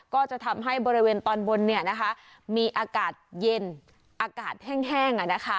ก็จะทำให้บริเวณตอนบนเนี่ยนะคะมีอากาศเย็นอากาศแห้งแห้งอ่ะนะคะ